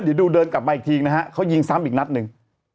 เดี๋ยวดูเดินกลับมาอีกทีนะฮะเขายิงซ้ำอีกนัดหนึ่ง